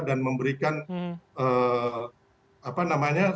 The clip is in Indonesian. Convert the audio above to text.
dan memberikan apa namanya